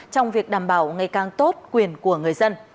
trong việc đảm bảo ngày càng tốt quyền của người dân